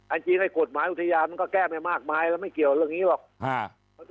จริงไอ้กฎหมายอุทยานมันก็แก้ไม่มากมายแล้วไม่เกี่ยวเรื่องนี้หรอก